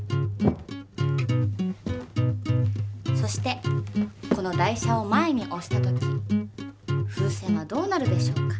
そしてこの台車を前におした時風船はどうなるでしょうか？